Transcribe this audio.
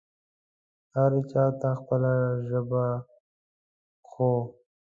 هر چا ته خپله ژبه خو